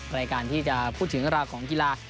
รายการที่จะพูดถึงราวของกีฬา